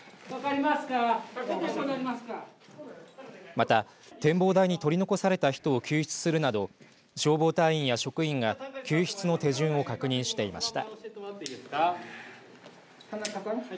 また展望台に取り残された人を救出するなど消防隊員や職員が救出の手順を確認していました。